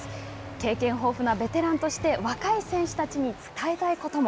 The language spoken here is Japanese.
経験豊富なベテランとして若い選手たちに伝えたいことも。